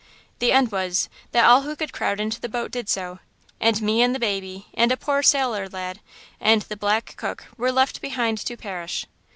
The end was, that all who could crowd into the boat did so. And me and the baby and a poor sailor lad and the black cook were left behind to perish.